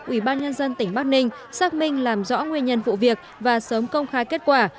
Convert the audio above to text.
ủy ban nhân dân tỉnh bắc ninh xác minh làm rõ nguyên nhân vụ việc và sớm công khai kết quả